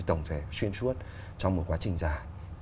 tổng thể xuyên suốt trong một quá trình dài